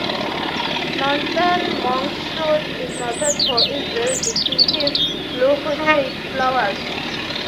Northern monkshood is noted for its very distinctive, blue hood-shaped flowers.